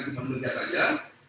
cuma mendekat saja